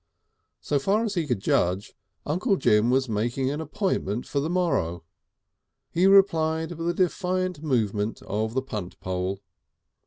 So far as he could judge, Uncle Jim was making an appointment for the morrow. He replied with a defiant movement of the punt pole.